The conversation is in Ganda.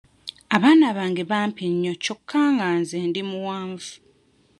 Abaana bange bampi nnyo kyokka nga nze ndi muwanvu.